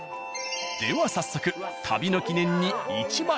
では早速旅の記念に１枚。